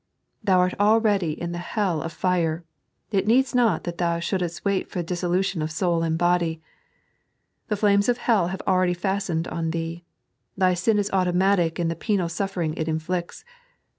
Thou art already in the hell of fire, it needs not that thou shouldest wait for dissolution of soul and body. The flames of hell have already fastened on thee. Thy sin is automatic in the penal suffering it inflicts.